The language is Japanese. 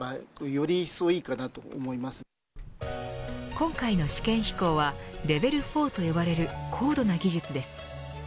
今回の試験飛行はレベル４と呼ばれる高度な技術です。